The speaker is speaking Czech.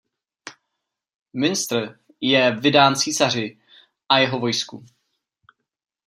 Münster je vydán císaři a jeho vojsku.